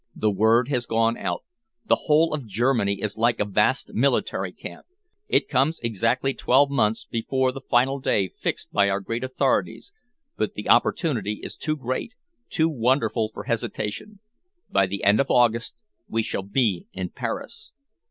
The word has gone out. The whole of Germany is like a vast military camp. It comes exactly twelve months before the final day fixed by our great authorities, but the opportunity is too great, too wonderful for hesitation. By the end of August we shall be in Paris."